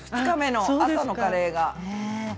２日目の朝のカレーが。